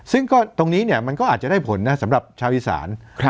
ซึ่งก็ตรงนี้เนี่ยมันก็อาจจะได้ผลนะสำหรับชาวอีสาน